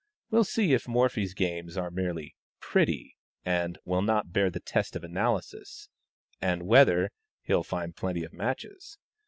We'll see if Morphy's games are merely "pretty," and "will not bear the test of analysis;" and whether "he'll find plenty of matches."